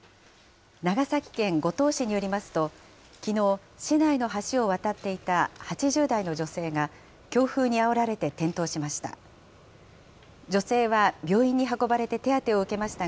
長崎県五島市によりますと、きのう、市内の橋を渡っていた８０代の女性が、強風にあおられて転倒しました。